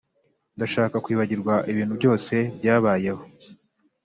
ndashaka kwibagirwa ibintu byose byabayeho.